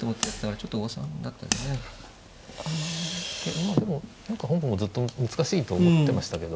まあでも本譜もずっと難しいと思ってましたけど。